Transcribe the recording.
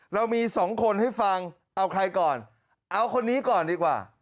เรามีสองคนให้ฟังเอาใครก่อนเอาคนนี้ก่อนดีกว่า